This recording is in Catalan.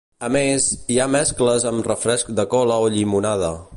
A més, hi ha mescles amb refresc de cola o llimonada.